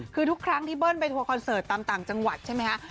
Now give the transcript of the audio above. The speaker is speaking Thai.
คือทุกครั้งที่เบิ้ลไปทัวร์คอนเสิร์ตตามต่างจังหวัดใช่ไหมคะ